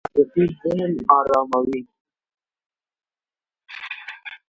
ارامه موسيقي ذهن اراموي